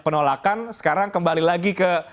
penolakan sekarang kembali lagi ke